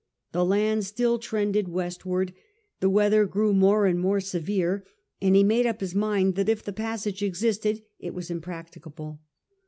The land still trended westward, the weather grew more and more severe, and he made up his mind that if the passage existed it was impracticable.